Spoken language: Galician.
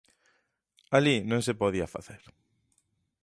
Alí non se podía facer.